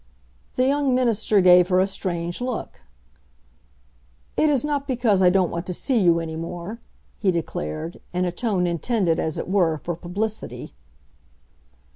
The young minister gave her a strange look. "It is not because I don't want to see you any more," he declared, in a tone intended as it were for publicity.